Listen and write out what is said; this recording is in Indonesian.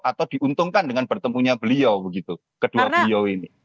atau diuntungkan dengan bertemunya beliau begitu kedua beliau ini